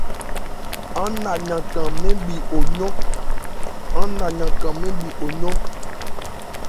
Aán na yankan mɛ́n bhi o yɔ́n.